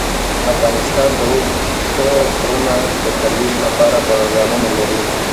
افغانستان د اوږده غرونه د ترویج لپاره پروګرامونه لري.